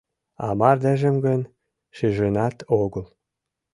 А мардежым гын шижынат огыл.